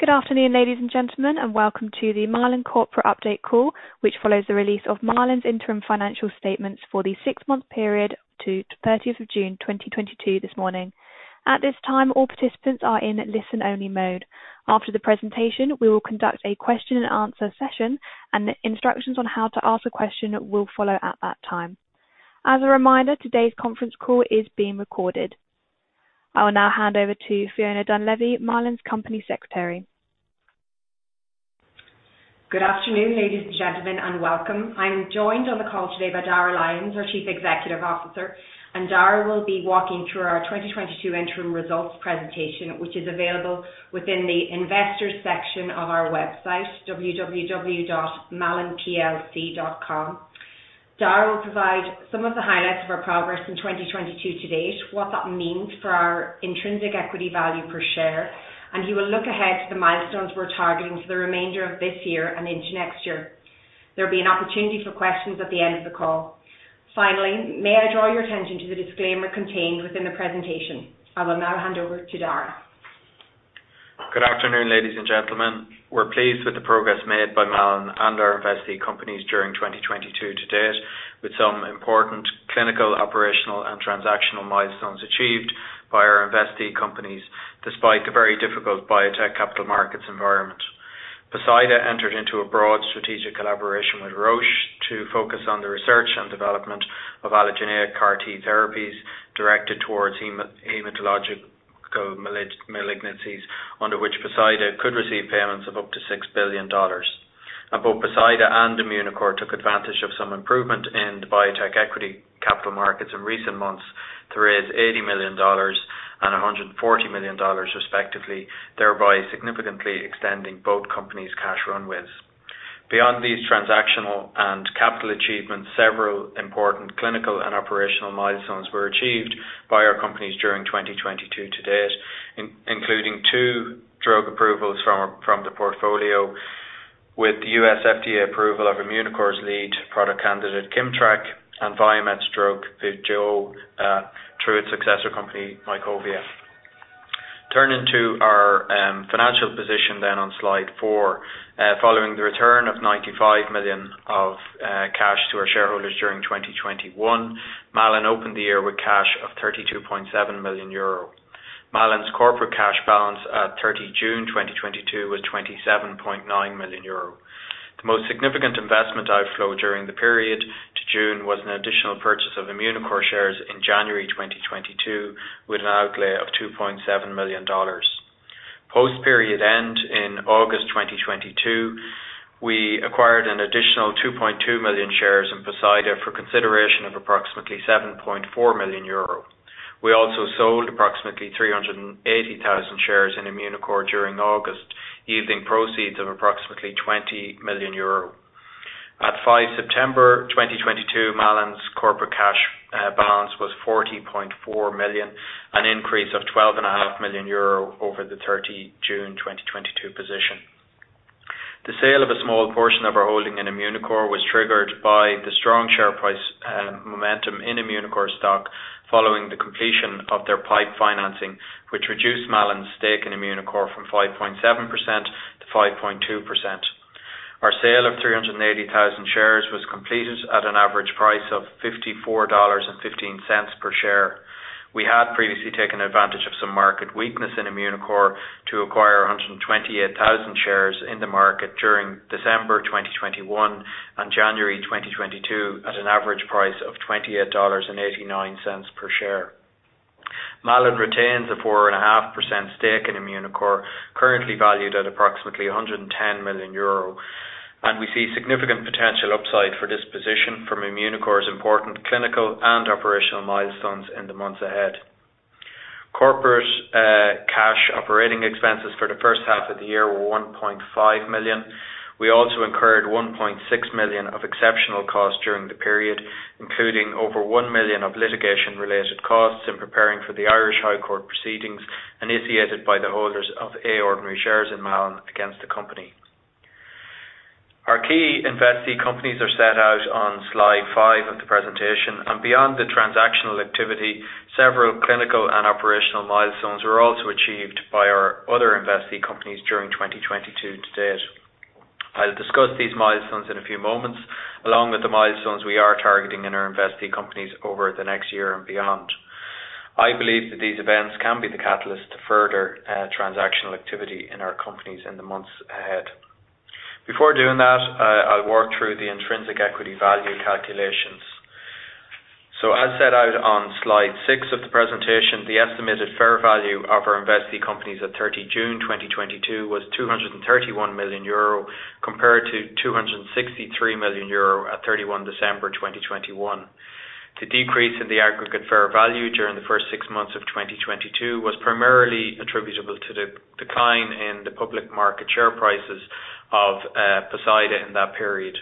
Good afternoon, ladies and gentlemen, and welcome to the Malin Corporate Update Call, which follows the release of Malin's interim financial statements for the 6-month period to 30th of June 2022 this morning. At this time, all participants are in listen-only mode. After the presentation, we will conduct a question and answer session and the instructions on how to ask a question will follow at that time. As a reminder, today's conference call is being recorded. I will now hand over to Fiona Dunlevy, Malin's Company Secretary. Good afternoon, ladies and gentlemen, and welcome. I'm joined on the call today by Darragh Lyons, our Chief Executive Officer, and Dara will be walking through our 2022 interim results presentation, which is available within the investors section of our website, www.malinplc.com. Dara will provide some of the highlights of our progress in 2022 to date, what that means for our intrinsic equity value per share, and he will look ahead to the milestones we're targeting for the remainder of this year and into next year. There will be an opportunity for questions at the end of the call. Finally, may I draw your attention to the disclaimer contained within the presentation. I will now hand over to Dara. Good afternoon, ladies and gentlemen. We're pleased with the progress made by Malin and our investee companies during 2022 to date with some important clinical, operational and transactional milestones achieved by our investee companies, despite the very difficult biotech capital markets environment. Poseida entered into a broad strategic collaboration with Roche to focus on the research and development of allogeneic CAR-T therapies directed towards hematological malignancies, under which Poseida could receive payments of up to $6 billion. Both Poseida and Immunocore took advantage of some improvement in the biotech equity capital markets in recent months to raise $80 million and $140 million respectively, thereby significantly extending both companies' cash runways. Beyond these transactional and capital achievements, several important clinical and operational milestones were achieved by our companies during 2022 to date, including two drug approvals from the portfolio with the US FDA approval of Immunocore's lead product candidate, KIMMTRAK and VIVJOA through its successor company, Mycovia. Turning to our financial position then on Slide 4. Following the return of 95 million of cash to our shareholders during 2021, Malin opened the year with cash of 32.7 million euro. Malin's corporate cash balance at 30 June 2022 was 27.9 million euro. The most significant investment outflow during the period to June was an additional purchase of Immunocore shares in January 2022, with an outlay of $2.7 million. Post period end in August 2022, we acquired an additional 2.2 million shares in Poseida for consideration of approximately 7.4 million euro. We also sold approximately 380,000 shares in Immunocore during August, yielding proceeds of approximately 20 million euro. At 5 September 2022, Malin's corporate cash balance was 40.4 million, an increase of 12.5 million euro over the 30 June 2022 position. The sale of a small portion of our holding in Immunocore was triggered by the strong share price momentum in Immunocore stock following the completion of their PIPE financing, which reduced Malin's stake in Immunocore from 5.7% to 5.2%. Our sale of 380,000 shares was completed at an average price of $54.15 per share. We had previously taken advantage of some market weakness in Immunocore to acquire 128,000 shares in the market during December 2021 and January 2022 at an average price of $28.89 per share. Malin retains a 4.5% stake in Immunocore, currently valued at approximately 110 million euro, and we see significant potential upside for this position from Immunocore's important clinical and operational milestones in the months ahead. Corporate cash operating expenses for the first half of the year were 1.5 million. We also incurred 1.6 million of exceptional costs during the period, including over 1 million of litigation-related costs in preparing for the Irish High Court proceedings initiated by the holders of A ordinary shares in Malin against the company. Our key investee companies are set out on Slide 5 of the presentation and beyond the transactional activity, several clinical and operational milestones were also achieved by our other investee companies during 2022 to date. I'll discuss these milestones in a few moments, along with the milestones we are targeting in our investee companies over the next year and beyond. I believe that these events can be the catalyst to further transactional activity in our companies in the months ahead. Before doing that, I'll work through the intrinsic equity value calculations. As set out on Slide 6 of the presentation, the estimated fair value of our investee companies at 30 June 2022 was 231 million euro compared to 263 million euro at 31 December 2021. The decrease in the aggregate fair value during the first six months of 2022 was primarily attributable to the decline in the public market share prices of Poseida in that period.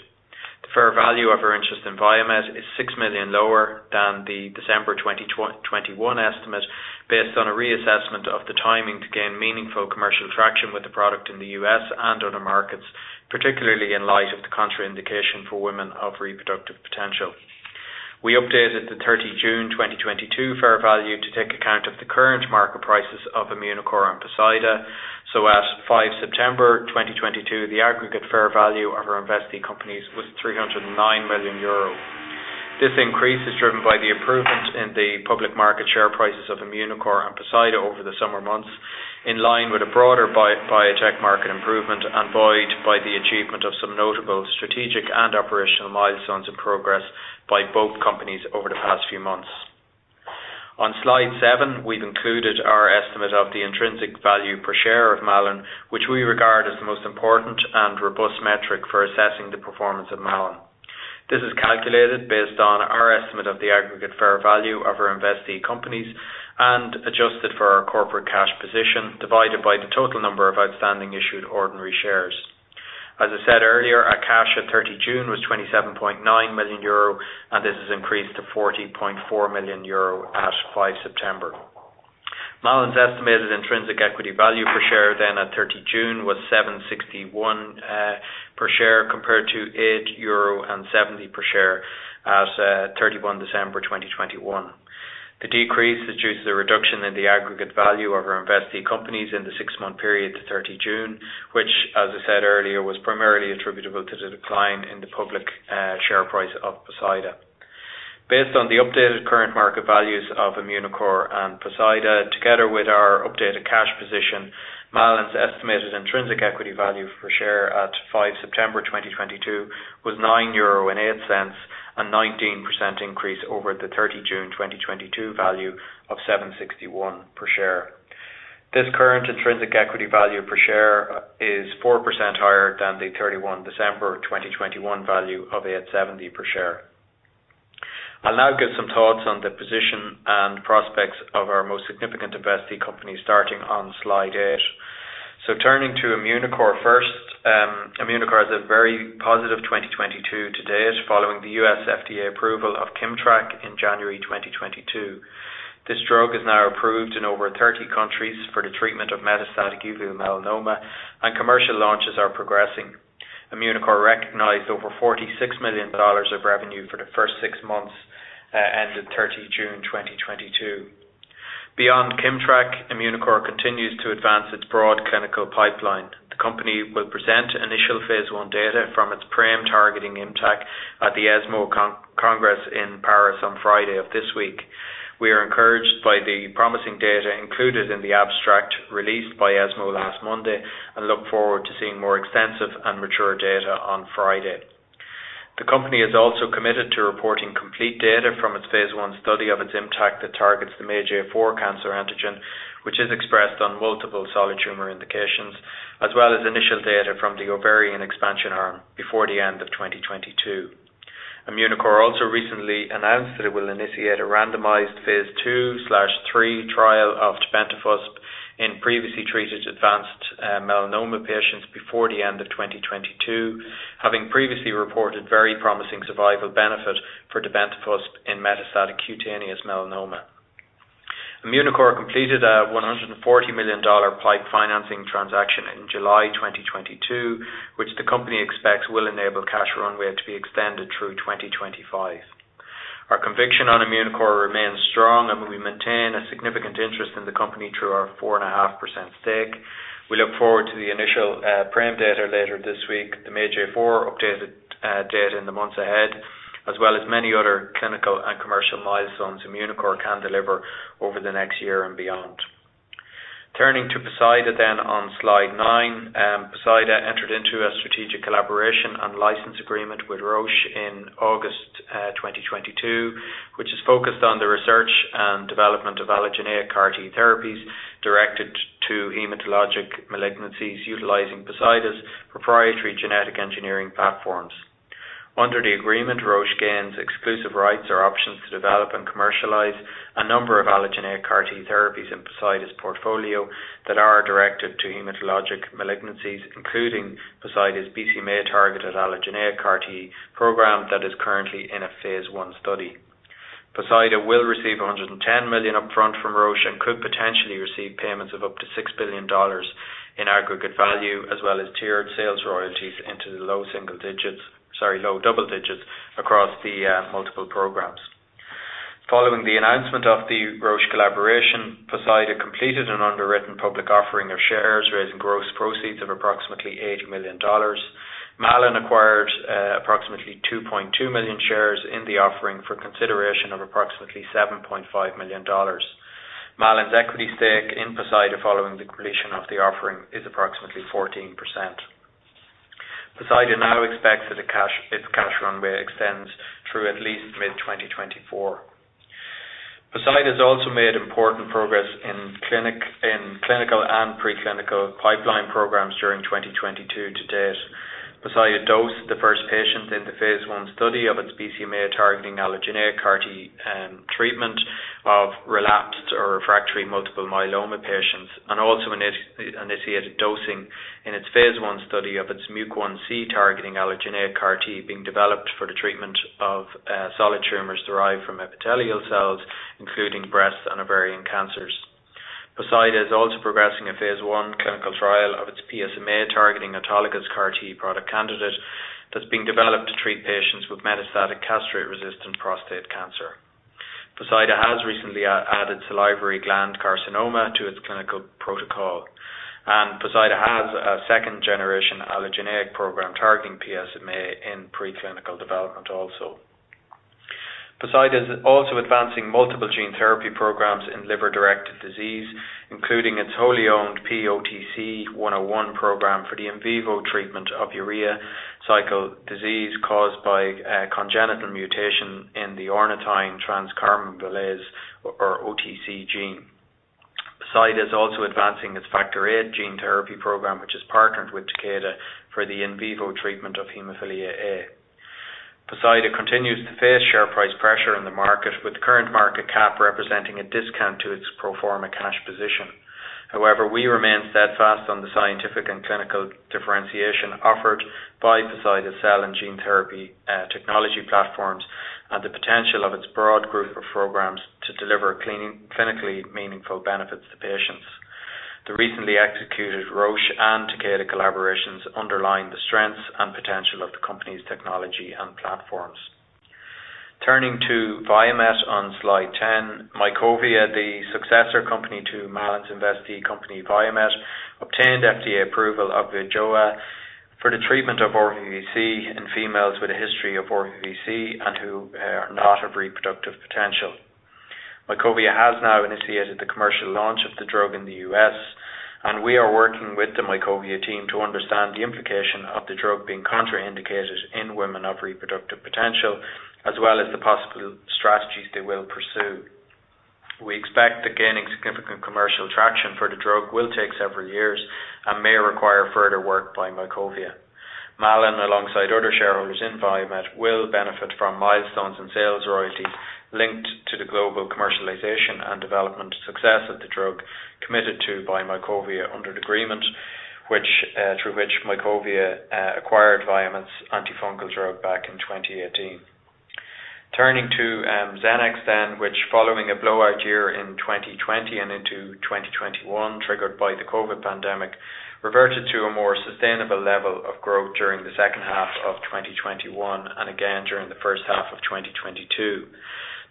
The fair value of our interest in Viamet is 6 million lower than the December 2021 estimate based on a reassessment of the timing to gain meaningful commercial traction with the product in the U.S. and other markets, particularly in light of the contraindication for women of reproductive potential. We updated the 30 June 2022 fair value to take account of the current market prices of Immunocore and Poseida. At 5 September 2022, the aggregate fair value of our investee companies was 309 million euro. This increase is driven by the improvement in the public market share prices of Immunocore and Poseida over the summer months, in line with a broader biotech market improvement and buoyed by the achievement of some notable strategic and operational milestones and progress by both companies over the past few months. On slide seven, we've included our estimate of the intrinsic value per share of Malin, which we regard as the most important and robust metric for assessing the performance of Malin. This is calculated based on our estimate of the aggregate fair value of our investee companies and adjusted for our corporate cash position, divided by the total number of outstanding issued ordinary shares. As I said earlier, our cash at 30 June was 27.9 million euro and this has increased to 40.4 million euro at 5 September. Malin's estimated intrinsic equity value per share then at 30 June was 7.61 per share, compared to 8.70 euro per share at 31 December 2021. The decrease is due to the reduction in the aggregate value of our investee companies in the six-month period to 30 June, which as I said earlier, was primarily attributable to the decline in the public share price of Poseida. Based on the updated current market values of Immunocore and Poseida, together with our updated cash position, Malin's estimated intrinsic equity value per share at 5 September 2022 was 9.08 euro, a 19% increase over the 30 June 2022 value of 7.61 per share. This current intrinsic equity value per share is 4% higher than the 31 December 2021 value of 8.70 per share. I'll now give some thoughts on the position and prospects of our most significant investee companies starting on slide eight. Turning to Immunocore first. Immunocore has a very positive 2022 to date following the U.S. FDA approval of KIMMTRAK in January 2022. This drug is now approved in over 30 countries for the treatment of metastatic uveal melanoma and commercial launches are progressing. Immunocore recognized over $46 million of revenue for the first six months ending 30 June 2022. Beyond KIMMTRAK, Immunocore continues to advance its broad clinical pipeline. The company will present initial phase 1 data from its PRAME targeting ImmTAC at the ESMO Congress in Paris on Friday of this week. We are encouraged by the promising data included in the abstract released by ESMO last Monday and look forward to seeing more extensive and mature data on Friday. The company is also committed to reporting complete data from its phase 1 study of its ImmTAC that targets the MAGE-A4 cancer antigen, which is expressed on multiple solid tumor indications, as well as initial data from the ovarian expansion arm before the end of 2022. Immunocore also recently announced that it will initiate a randomized phase 2/3 trial of tebentafusp in previously treated advanced melanoma patients before the end of 2022, having previously reported very promising survival benefit for tebentafusp in metastatic cutaneous melanoma. Immunocore completed a $140 million PIPE financing transaction in July 2022, which the company expects will enable cash runway to be extended through 2025. Our conviction on Immunocore remains strong, and we maintain a significant interest in the company through our 4.5% stake. We look forward to the initial PRAME data later this week, the MAGE-A4 updated data in the months ahead, as well as many other clinical and commercial milestones Immunocore can deliver over the next year and beyond. Turning to Poseida on slide 9. Poseida entered into a strategic collaboration and license agreement with Roche in August 2022, which is focused on the research and development of allogeneic CAR-T therapies directed to hematologic malignancies utilizing Poseida's proprietary genetic engineering platforms. Under the agreement, Roche gains exclusive rights or options to develop and commercialize a number of allogeneic CAR-T therapies in Poseida's portfolio that are directed to hematologic malignancies, including Poseida's BCMA-targeted allogeneic CAR-T program that is currently in a phase 1 study. Poseida will receive $110 million upfront from Roche and could potentially receive payments of up to $6 billion in aggregate value, as well as tiered sales royalties into the low single digits. Sorry, low double digits across the multiple programs. Following the announcement of the Roche collaboration, Poseida completed an underwritten public offering of shares, raising gross proceeds of approximately $80 million. Malin acquired approximately 2.2 million shares in the offering for consideration of approximately $7.5 million. Malin's equity stake in Poseida following the completion of the offering is approximately 14%. Poseida now expects that the cash, its cash runway extends through at least mid-2024. Poseida's also made important progress in clinical and pre-clinical pipeline programs during 2022 to date. Poseida dosed the first patient in the phase 1 study of its BCMA-targeting allogeneic CAR-T treatment of relapsed or refractory multiple myeloma patients and also initiated dosing in its phase 1 study of its MUC1-C-targeting allogeneic CAR-T being developed for the treatment of solid tumors derived from epithelial cells, including breast and ovarian cancers. Poseida is also progressing a phase 1 clinical trial of its PSMA-targeting autologous CAR-T product candidate that's being developed to treat patients with metastatic castration-resistant prostate cancer. Poseida has recently added salivary gland carcinoma to its clinical protocol, and Poseida has a second-generation allogeneic program targeting PSMA in preclinical development also. Poseida is also advancing multiple gene therapy programs in liver-directed disease, including its wholly owned P-OTC-101 program for the in vivo treatment of urea cycle disease caused by congenital mutation in the ornithine transcarbamylase or OTC gene. Poseida is also advancing its Factor VIII gene therapy program, which is partnered with Takeda for the in vivo treatment of hemophilia A. Poseida continues to face share price pressure in the market with the current market cap representing a discount to its pro forma cash position. However, we remain steadfast on the scientific and clinical differentiation offered by Poseida cell and gene therapy technology platforms and the potential of its broad group of programs to deliver clinically meaningful benefits to patients. The recently executed Roche and Takeda collaborations underline the strengths and potential of the company's technology and platforms. Turning to Viamet on slide 10. Mycovia, the successor company to Malin's investee company, Viamet, obtained FDA approval of VIVJOA for the treatment of RVVC in females with a history of RVVC and who are not of reproductive potential. Mycovia has now initiated the commercial launch of the drug in the U.S., and we are working with the Mycovia team to understand the implication of the drug being contraindicated in women of reproductive potential, as well as the possible strategies they will pursue. We expect that gaining significant commercial traction for the drug will take several years and may require further work by Mycovia. Malin, alongside other shareholders in Viamet, will benefit from milestones in sales royalties linked to the global commercialization and development success of the drug committed to by Mycovia under the agreement through which Mycovia acquired Viamet's antifungal drug back in 2018. Turning to Xenex then, which following a blowout year in 2020 and into 2021 triggered by the COVID pandemic, reverted to a more sustainable level of growth during the second half of 2021 and again during the first half of 2022.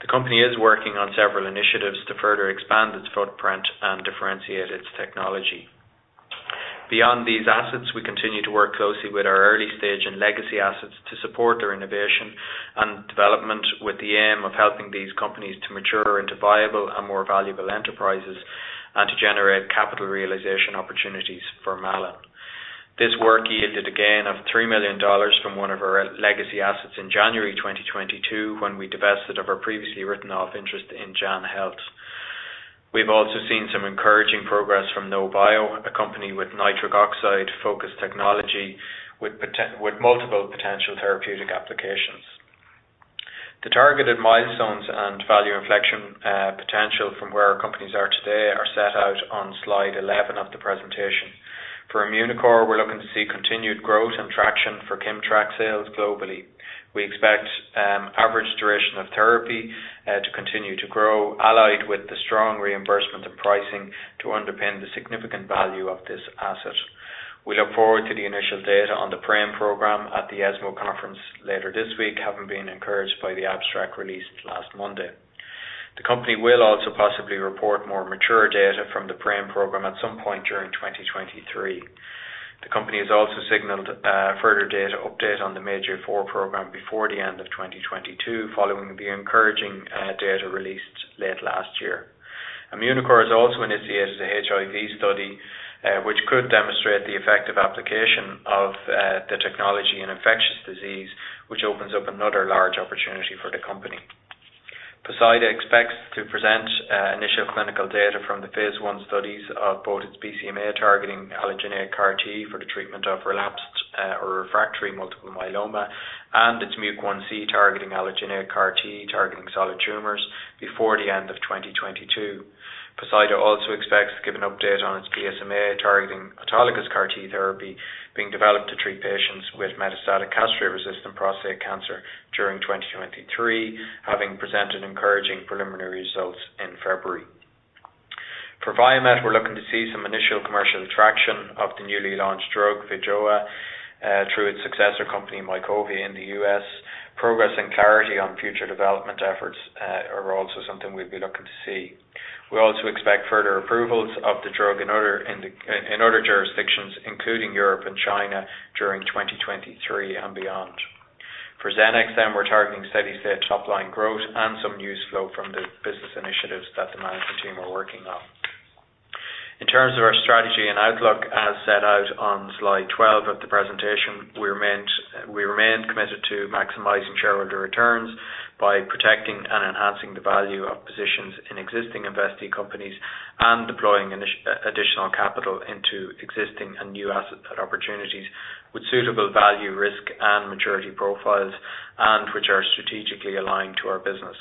The company is working on several initiatives to further expand its footprint and differentiate its technology. Beyond these assets, we continue to work closely with our early stage and legacy assets to support their innovation and development, with the aim of helping these companies to mature into viable and more valuable enterprises and to generate capital realization opportunities for Malin. This work yielded a gain of $3 million from one of our legacy assets in January 2022, when we divested of our previously written off interest in Jaan Health. We've also seen some encouraging progress from Novan, a company with nitric oxide-focused technology with multiple potential therapeutic applications. The targeted milestones and value inflection potential from where our companies are today are set out on slide eleven of the presentation. For Immunocore, we're looking to see continued growth and traction for KIMMTRAK sales globally. We expect average duration of therapy to continue to grow, allied with the strong reimbursement and pricing to underpin the significant value of this asset. We look forward to the initial data on the PRAME program at the ESMO conference later this week, having been encouraged by the abstract released last Monday. The company will also possibly report more mature data from the PRAME program at some point during 2023. The company has also signaled further data update on the MAGE-A4 program before the end of 2022 following the encouraging data released late last year. Immunocore has also initiated a HIV study which could demonstrate the effective application of the technology in infectious disease, which opens up another large opportunity for the company. Poseida expects to present initial clinical data from the phase 1 studies of both its BCMA-targeting allogeneic CAR-T for the treatment of relapsed or refractory multiple myeloma and its MUC1-C targeting allogeneic CAR-T targeting solid tumors before the end of 2022. Poseida also expects to give an update on its PSMA targeting autologous CAR-T therapy being developed to treat patients with metastatic castration-resistant prostate cancer during 2023, having presented encouraging preliminary results in February. For Viamet, we're looking to see some initial commercial traction of the newly launched drug, VIVJOA, through its successor company, Mycovia in the US. Progress and clarity on future development efforts are also something we'd be looking to see. We also expect further approvals of the drug in other jurisdictions, including Europe and China, during 2023 and beyond. For Xenex then, we're targeting steady state top-line growth and some news flow from the business initiatives that the management team are working on. In terms of our strategy and outlook, as set out on slide 12 of the presentation, we remain committed to maximizing shareholder returns by protecting and enhancing the value of positions in existing investee companies and deploying additional capital into existing and new asset opportunities with suitable value risk and maturity profiles and which are strategically aligned to our business.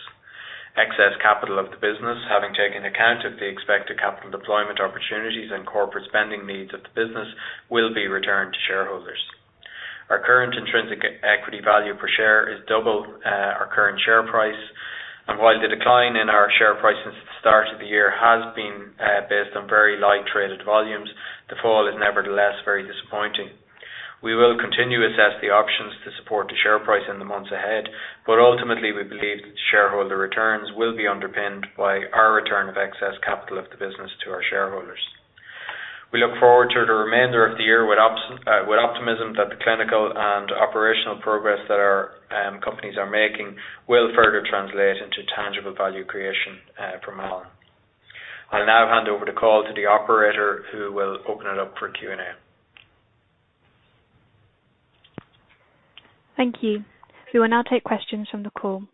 Excess capital of the business, having taken account of the expected capital deployment opportunities and corporate spending needs of the business, will be returned to shareholders. Our current intrinsic equity value per share is double our current share price. While the decline in our share price since the start of the year has been based on very light traded volumes, the fall is nevertheless very disappointing. We will continue to assess the options to support the share price in the months ahead, but ultimately we believe that shareholder returns will be underpinned by our return of excess capital of the business to our shareholders. We look forward to the remainder of the year with optimism that the clinical and operational progress that our companies are making will further translate into tangible value creation for all. I'll now hand over the call to the operator, who will open it up for Q&A. Thank you. We will now take questions from the call.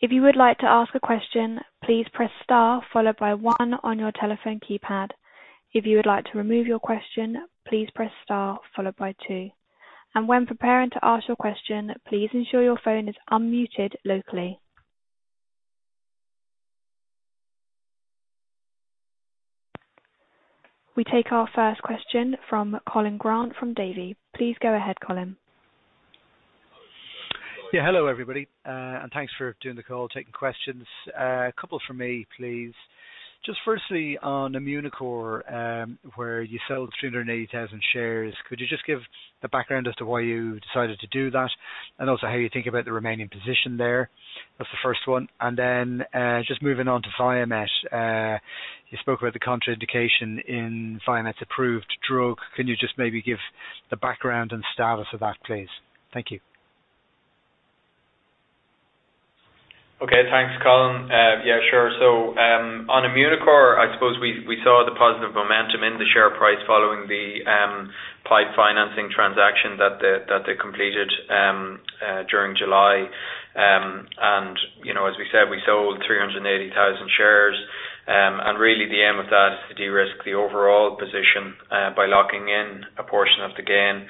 If you would like to ask a question, please press star followed by one on your telephone keypad. If you would like to remove your question, please press star followed by two. When preparing to ask your question, please ensure your phone is unmuted locally. We take our first question from Colin Grant from Davy. Please go ahead, Colin. Yeah. Hello, everybody. And thanks for doing the call, taking questions. A couple from me, please. Just firstly, on Immunocore, where you sold 380,000 shares, could you just give the background as to why you decided to do that and also how you think about the remaining position there? That's the first one. Just moving on to Viamet. You spoke about the contraindication in Viamet's approved drug. Can you just maybe give the background and status of that, please? Thank you. Okay. Thanks, Colin. Yeah, sure. On Immunocore, I suppose we saw the positive momentum in the share price following the PIPE financing transaction that they completed during July. You know, as we said, we sold 380,000 shares. Really the aim of that is to de-risk the overall position by locking in a portion of the gain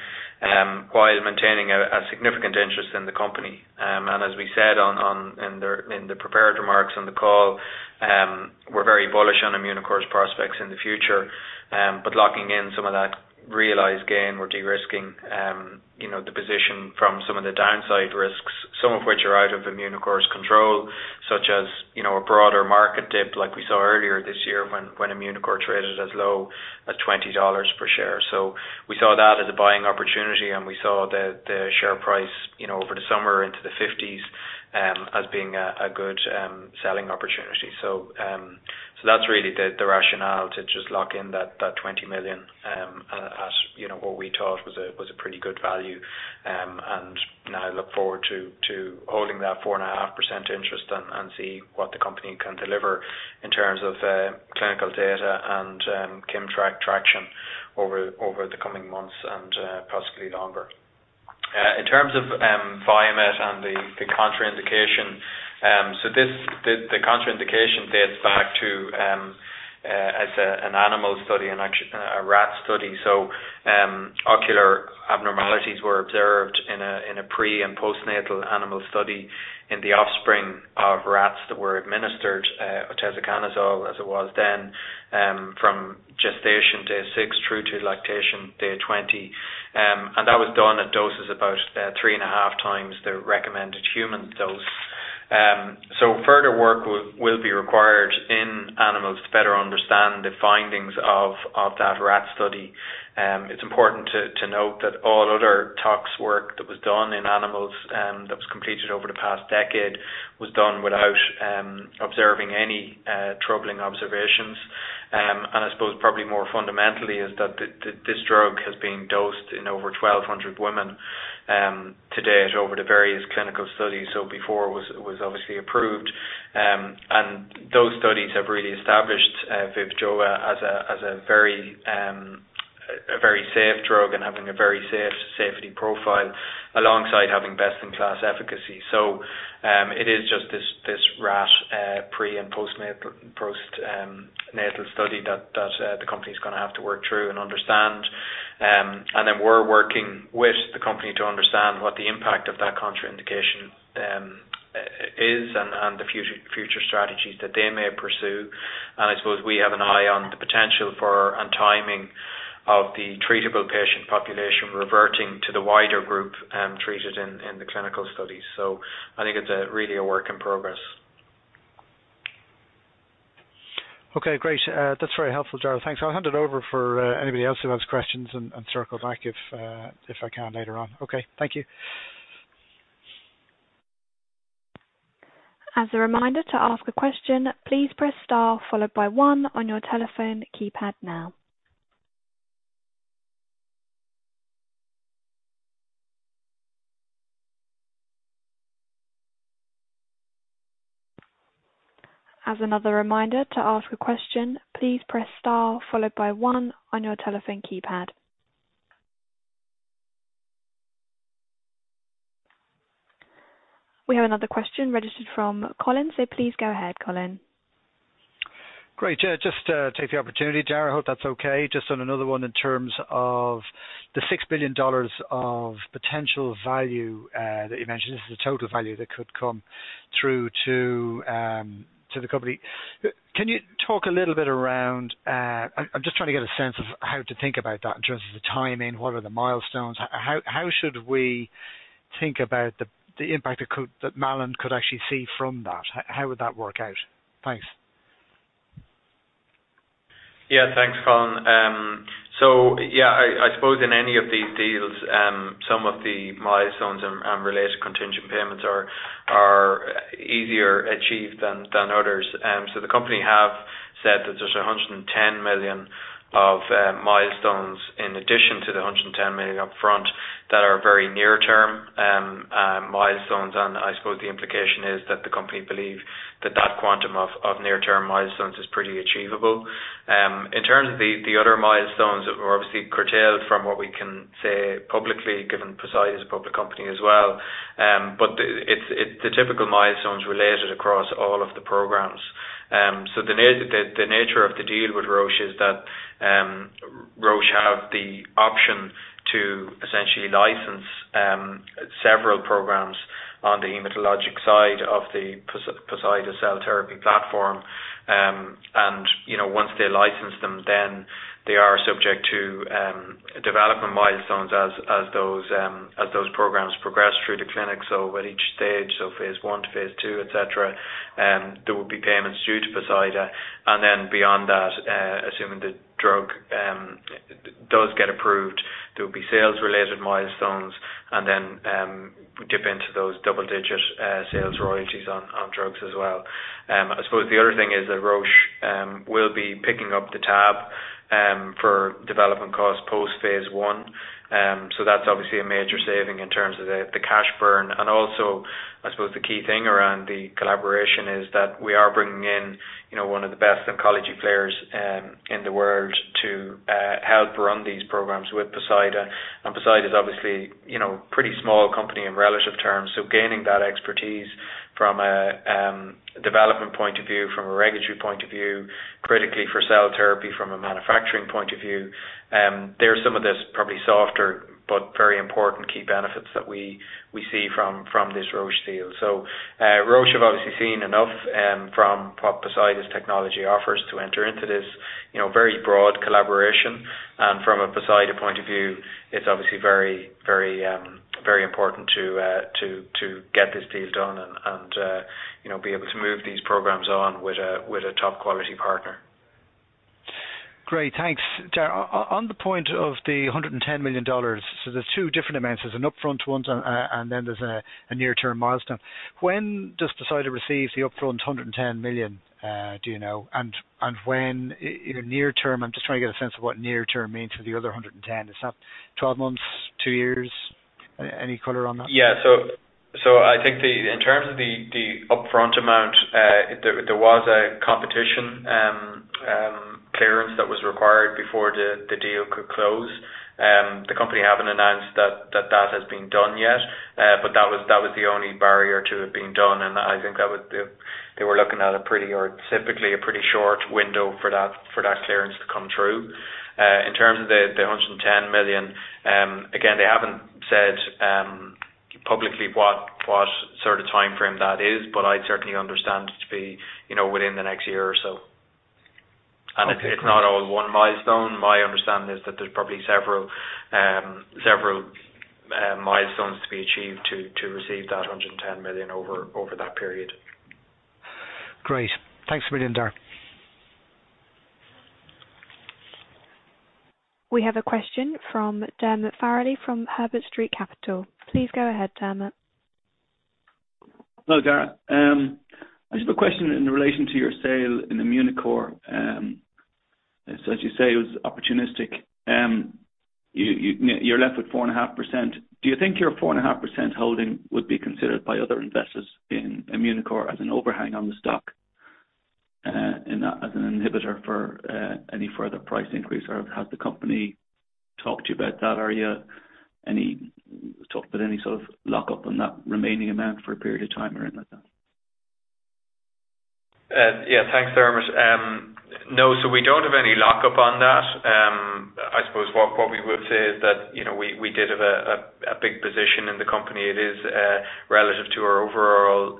while maintaining a significant interest in the company. As we said in the prepared remarks on the call, we're very bullish on Immunocore's prospects in the future. Locking in some of that realized gain, we're de-risking, you know, the position from some of the downside risks, some of which are out of Immunocore's control, such as, you know, a broader market dip like we saw earlier this year when Immunocore traded as low as $20 per share. We saw that as a buying opportunity, and we saw the share price, you know, over the summer into the 50s, as being a good selling opportunity. That's really the rationale to just lock in that 20 million, you know, at what we thought was a pretty good value. Now look forward to holding that 4.5% interest and see what the company can deliver in terms of clinical data and KIMMTRAK traction over the coming months and possibly longer. In terms of Viamet and the contraindication. The contraindication dates back to an animal study and actually a rat study. Ocular abnormalities were observed in a pre- and postnatal animal study in the offspring of rats that were administered oteseconazole, as it was then, from gestation day 6 through to lactation day 20. And that was done at doses about 3.5 times the recommended human dose. Further work will be required in animals to better understand the findings of that rat study. It's important to note that all other tox work that was done in animals that was completed over the past decade was done without observing any troubling observations. I suppose probably more fundamentally is that this drug has been dosed in over 1,200 women to date over the various clinical studies before it was obviously approved. Those studies have really established VIVJOA as a very safe drug and having a very safe safety profile alongside having best-in-class efficacy. It is just this rat pre- and post-natal study that the company's gonna have to work through and understand. We're working with the company to understand what the impact of that contraindication is and the future strategies that they may pursue. I suppose we have an eye on the potential for and timing of the treatable patient population reverting to the wider group treated in the clinical studies. I think it's really a work in progress. Okay, great. That's very helpful, Gerald. Thanks. I'll hand it over for anybody else who has questions and circle back if I can later on. Okay. Thank you. As a reminder to ask a question, please press star followed by one on your telephone keypad now. As another reminder to ask a question, please press star followed by one on your telephone keypad. We have another question registered from Colin. Please go ahead, Colin. Great. Yeah, just take the opportunity, Gerald. I hope that's okay. Just on another one in terms of the $6 billion of potential value that you mentioned. This is the total value that could come through to the company. Can you talk a little bit around. I'm just trying to get a sense of how to think about that in terms of the timing. What are the milestones? How should we think about the impact it could that Malin could actually see from that. How would that work out? Thanks. Yeah. Thanks, Colin. So yeah, I suppose in any of these deals, some of the milestones and related contingent payments are easier achieved than others. The company have said that there's $110 million of milestones in addition to the $110 million upfront that are very near-term milestones. I suppose the implication is that the company believe that that quantum of near-term milestones is pretty achievable. In terms of the other milestones are obviously curtailed from what we can say publicly, given Poseida is a public company as well. It's the typical milestones related across all of the programs. The nature of the deal with Roche is that Roche has the option to essentially license several programs on the hematologic side of the Poseida cell therapy platform. You know, once they license them, then they are subject to development milestones as those programs progress through the clinic. At each stage, phase 1 to phase 2, etc., there will be payments due to Poseida. Beyond that, assuming the drug does get approved, there will be sales related milestones and then dip into those double-digit sales royalties on drugs as well. I suppose the other thing is that Roche will be picking up the tab for development costs post phase 1. That's obviously a major saving in terms of the cash burn. Also, I suppose the key thing around the collaboration is that we are bringing in, you know, one of the best oncology players in the world to help run these programs with Poseida. Poseida is obviously, you know, pretty small company in relative terms, so gaining that expertise from a development point of view, from a regulatory point of view, critically for cell therapy from a manufacturing point of view. There are some of this probably softer but very important key benefits that we see from this Roche deal. Roche have obviously seen enough from what Poseida's technology offers to enter into this, you know, very broad collaboration. From a Poseida point of view, it's obviously very important to get this deal done and you know, be able to move these programs on with a top quality partner. Great. Thanks. Darragh, on the point of the $110 million, so there's 2 different amounts. There's an upfront one and then there's a near-term milestone. When does Poseida receive the upfront $110 million, do you know? And when in near term, I'm just trying to get a sense of what near term means for the other $110 million. Is that 12 months, 2 years? Any color on that? I think in terms of the upfront amount, there was a competition clearance that was required before the deal could close. The company haven't announced that that has been done yet. That was the only barrier to it being done. I think they were looking at a pretty or typically a pretty short window for that clearance to come through. In terms of the 110 million, again, they haven't said publicly what sort of timeframe that is, but I'd certainly understand it to be, you know, within the next year or so. Okay. It's not all one milestone. My understanding is that there's probably several milestones to be achieved to receive that 110 million over that period. Great. Thanks a million, Darragh. We have a question from Dermot Farrelly from Herbert Street Capital. Please go ahead, Dermot. Hello, Darragh. I just have a question in relation to your sale in Immunocore. As you say, it was opportunistic. You're left with 4.5%. Do you think your 4.5% holding would be considered by other investors in Immunocore as an overhang on the stock, and as an inhibitor for any further price increase, or has the company talked to you about that, talked about any sort of lockup on that remaining amount for a period of time or anything like that? Yeah. Thanks, Dermot. We don't have any lockup on that. I suppose what we would say is that, you know, we did have a big position in the company. It is relative to our overall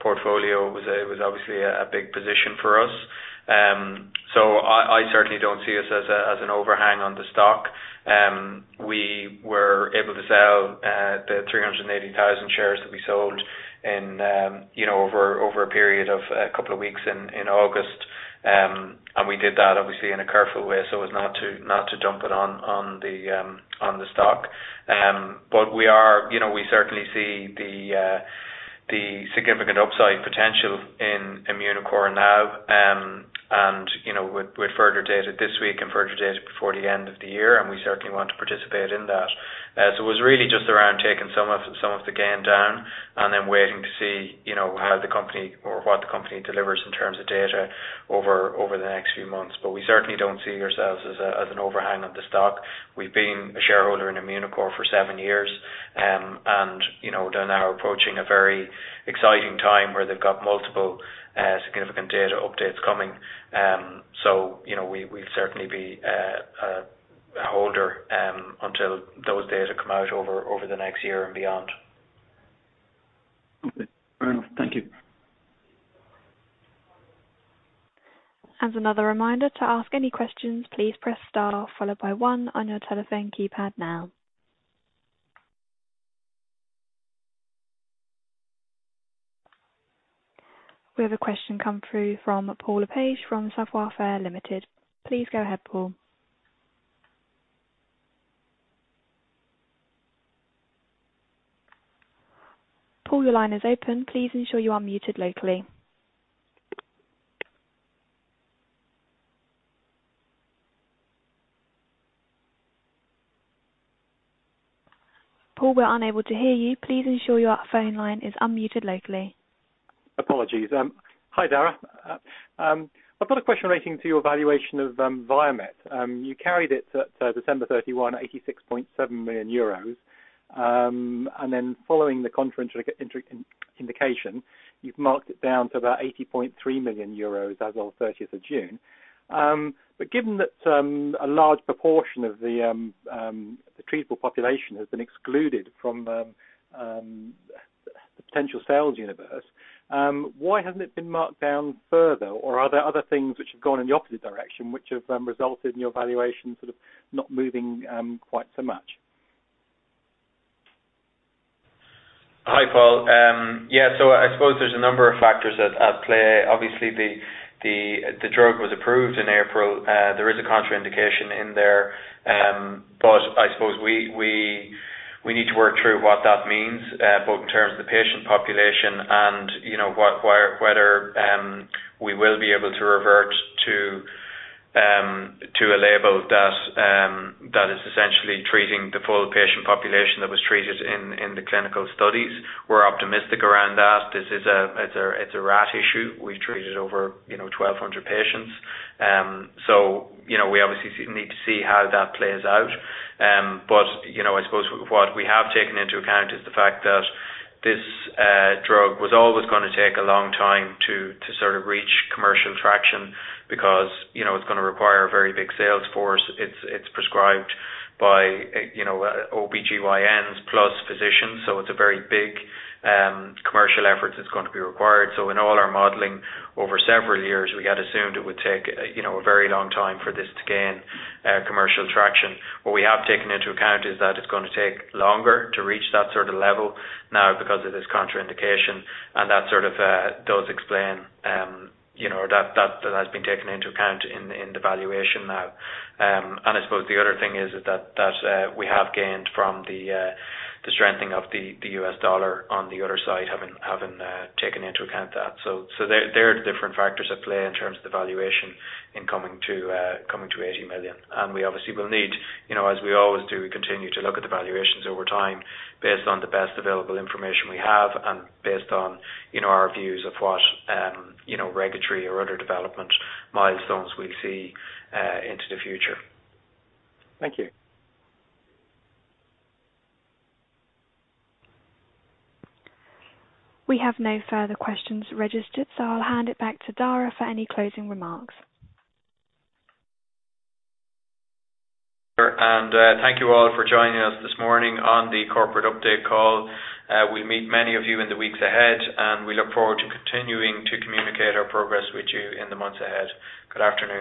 portfolio. It was obviously a big position for us. I certainly don't see us as an overhang on the stock. We were able to sell the 380,000 shares that we sold in, you know, over a period of a couple of weeks in August. We did that obviously in a careful way so as not to dump it on the stock. We are... You know, we certainly see the significant upside potential in Immunocore now. You know, with further data this week and further data before the end of the year, we certainly want to participate in that. It was really just around taking some of the gain down and then waiting to see, you know, how the company or what the company delivers in terms of data over the next few months. We certainly don't see ourselves as an overhang on the stock. We've been a shareholder in Immunocore for seven years. You know, they're now approaching a very exciting time where they've got multiple significant data updates coming. You know, we'd certainly be a holder until those data come out over the next year and beyond. Okay. Fair enough. Thank you. As another reminder to ask any questions, please press star followed by one on your telephone keypad now. We have a question come through from Paul Lepage from [Software Limited]. Please go ahead, Paul. Paul, your line is open. Please ensure you are muted locally. Paul, we're unable to hear you. Please ensure your phone line is unmuted locally. Apologies. Hi, Darragh. I've got a question relating to your valuation of Viamet. You carried it to December thirty-one, 86.7 million euros. Then following the indication, you've marked it down to about 80.3 million euros as of thirtieth of June. Given that a large proportion of the treatable population has been excluded from the potential sales universe, why hasn't it been marked down further? Are there other things which have gone in the opposite direction, which have resulted in your valuation sort of not moving quite so much? Hi, Paul. I suppose there's a number of factors at play. Obviously the drug was approved in April. There is a contraindication in there. I suppose we need to work through what that means both in terms of the patient population and you know whether we will be able to revert to a label that is essentially treating the full patient population that was treated in the clinical studies. We're optimistic around that. This is a rare issue. We've treated over you know 1,200 patients. You know we obviously need to see how that plays out. You know, I suppose what we have taken into account is the fact that this drug was always gonna take a long time to sort of reach commercial traction because, you know, it's gonna require a very big sales force. It's prescribed by, you know, OB/GYNs plus physicians, so it's a very big commercial efforts that's going to be required. In all our modeling over several years, we had assumed it would take, you know, a very long time for this to gain commercial traction. What we have taken into account is that it's gonna take longer to reach that sort of level now because of this contraindication and that sort of does explain, you know, that has been taken into account in the valuation now. I suppose the other thing is that we have gained from the strengthening of the US dollar on the other side, having taken into account that. There are different factors at play in terms of the valuation in coming to 80 million. We obviously will need, you know, as we always do, we continue to look at the valuations over time based on the best available information we have and based on, you know, our views of what, you know, regulatory or other development milestones we see into the future. Thank you. We have no further questions registered, so I'll hand it back to Darragh for any closing remarks. Sure. Thank you all for joining us this morning on the corporate update call. We'll meet many of you in the weeks ahead, and we look forward to continuing to communicate our progress with you in the months ahead. Good afternoon.